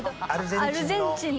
アルゼンチンの。